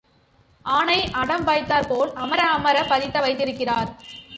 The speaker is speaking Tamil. ஆனை அடம் வைத்தாற்போல் அமர அமரப் பதித்த வைத்திருக்கிறார்.